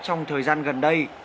trong thời gian gần đây